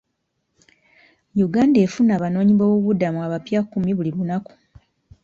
Uganda efuna abanoonyi boobubudamu abapya kkumi buli lunaku.